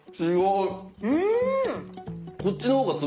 うん！